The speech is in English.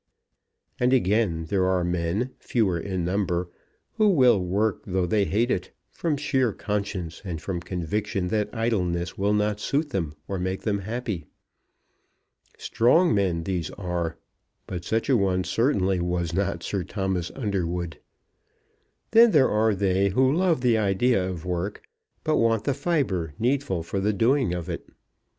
And again there are men, fewer in number, who will work though they hate it, from sheer conscience and from conviction that idleness will not suit them or make them happy. Strong men these are; but such a one certainly was not Sir Thomas Underwood. Then there are they who love the idea of work, but want the fibre needful for the doing it.